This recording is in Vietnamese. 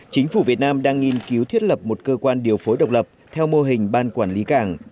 chính phủ việt nam đang nghiên cứu thiết lập một cơ quan điều phối độc lập theo mô hình ban quản lý cảng